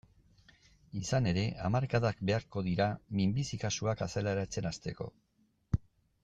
Izan ere, hamarkadak beharko dira minbizi kasuak azaleratzen hasteko.